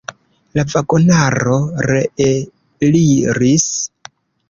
La vagonaro reeliris.